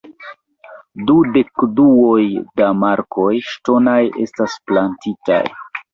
Du dekduoj da markoj ŝtonaj estas plantitaj.